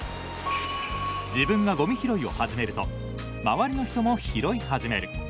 自分がごみ拾いを始めると周りの人も拾い始める。